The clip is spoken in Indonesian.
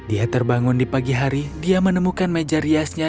dan geramkan yang pada daylight jatuh si kedu'a